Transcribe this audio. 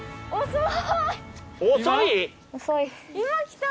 遅い？